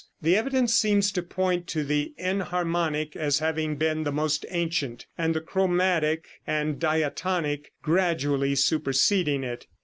The evidence seems to point to the enharmonic as having been the most ancient, and the chromatic and diatonic gradually superseding it.